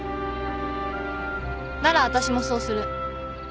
ならわたしもそうする。